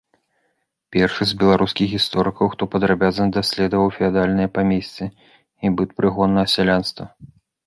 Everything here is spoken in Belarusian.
Першы з беларускіх гісторыкаў, хто падрабязна даследаваў феадальнае памесце і быт прыгоннага сялянства.